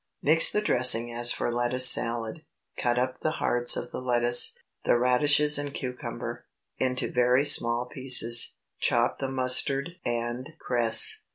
Mix the dressing as for lettuce salad. Cut up the hearts of the lettuce, the radishes and cucumber, into very small pieces; chop the mustard and cress.